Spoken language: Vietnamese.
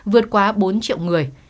vượt qua bốn triệu người